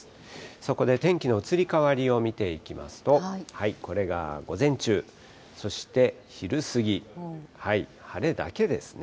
そこで天気の移り変わりを見ていきますと、これが午前中、そして昼過ぎ、晴れだけですね。